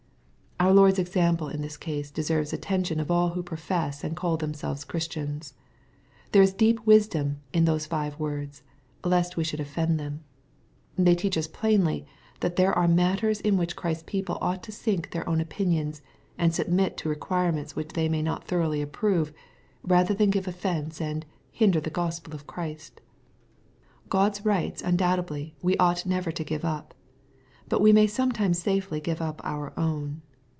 Our Lord's example in this case deserves attention of all who profess and call themselves Christians. There is deep wisdom in those five words, " lest we should offend them." They teach us plainly, that there are matters in which Christ's people ought to sink their own opinions, and submit to requirements which they may not thoroughly approve, rather than give offence and " hinder the Gospel of Christ." God's rights undoubtedly we ought never to give up ; but we may sometimes safely give up our own.